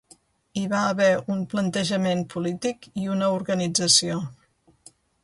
Hi va haver un plantejament polític i una organització.